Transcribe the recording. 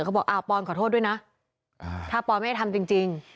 เขาบอกอ้าวปอนขอโทษด้วยนะถ้าปอนไม่ได้ทำจริง